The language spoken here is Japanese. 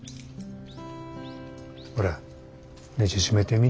ほらねじ締めてみ。